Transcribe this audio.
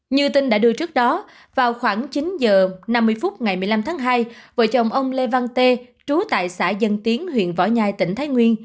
như tin đã đưa trước đó vào khoảng chín h năm mươi phút ngày một mươi năm tháng hai vợ chồng ông lê văn tê trú tại xã dân tiến huyện võ nhai tỉnh thái nguyên